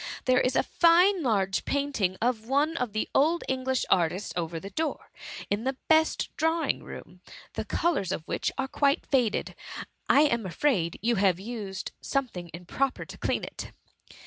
There THE MUMMY. 165 is a fine large painting of one of the old Eng* lish artists, over the door, in the best drawing room, the colours of which are quite faded ; I am afraid you have used something improper to dean it.